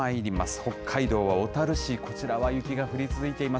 北海道は小樽市、こちらは雪が降り続いています。